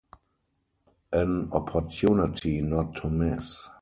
An opportunity not to miss!